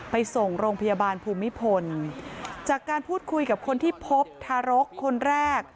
ไปส่งโรงพยาบาลภูมิพลจากการพูดคุยกับคนที่พบทารกคนแรก